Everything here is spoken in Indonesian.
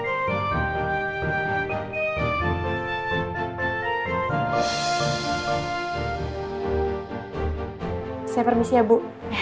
lu siapa yang berhasil mengekalkan kamu